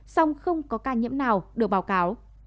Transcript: song không có ca nhiễm nào được báo cáo